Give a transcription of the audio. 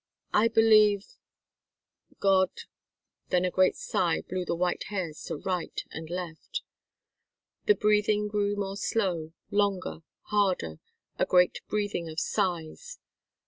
"I believe God " Then a great sigh blew the white hairs to right and left. The breathing grew more slow, longer, harder, a great breathing of sighs.